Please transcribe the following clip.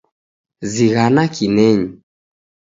Zighana kinenyi